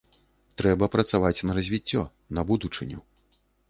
Трэба працаваць на развіццё, на будучыню.